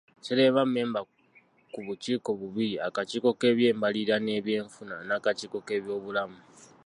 Sseremba mmemba ku bukiiko bubiri; akakiiko k'ebyembalirira n'ebyenfuna n'akakiiko k'ebyobulamu